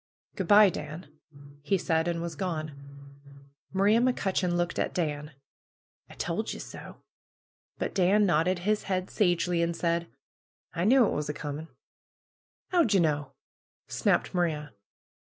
"Good bye, Dan!" he said, and was gone. Maria McCutcheon looked at Dan. "I told ye so !" But Dan nodded his head sagely and said : "I knew it was a coming !"" 'Ow did ye know ?" snapped Maria.